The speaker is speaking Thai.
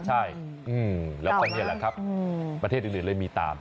ใช่แล้วก็นี่แหละครับประเทศอื่นเลยมีตาม